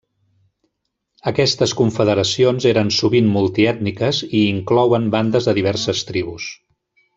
Aquestes confederacions eren sovint multiètniques i hi inclouen bandes de diverses tribus.